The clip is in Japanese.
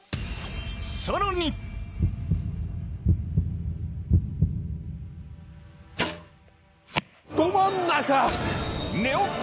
さらに・ど真ん中！